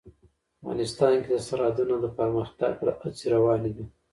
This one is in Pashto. افغانستان کې د سرحدونه د پرمختګ هڅې روانې دي.